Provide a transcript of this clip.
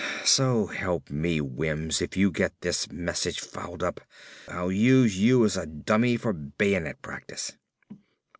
So help me, Wims, if you get this message fouled up, I'll use you as a dummy for bayonet practice."